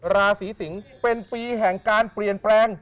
ราศีสิงศ์เป็นปีแห่งการเปลี่ยนแปลง